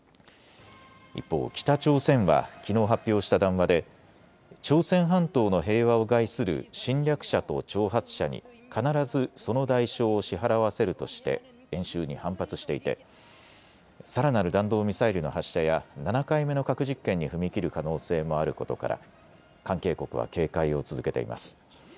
一方、北朝鮮はきのう発表した談話で朝鮮半島の平和を害する侵略者と挑発者に必ずその代償を支払わせるとして演習に反発していてさらなる弾道ミサイルの発射や７回目の核実験に踏み切る可能性もあることから関係国は警戒を続けています。